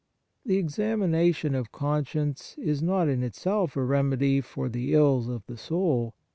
The examination of conscience is not in itself a remedy for the ills of the soul.